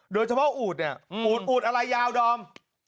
โดยเฉพาะอูดเนี่ยอูดอูดอะไรยาวดอม